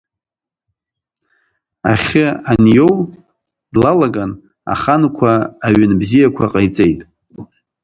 Ахьы аниоу длалаган аханқәа аҩын бзиақәа ҟаиҵеит.